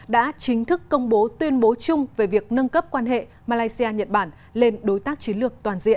đã chính thức công bố tuyên bố chung về việc nâng cấp quan hệ malaysia nhật bản lên đối tác chiến lược toàn diện